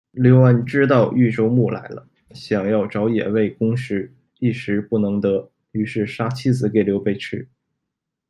刘安知道豫州牧来了，想要找野味供食，一时不能得，于是杀妻子给刘备吃。